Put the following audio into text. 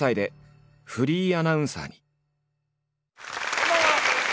こんばんは。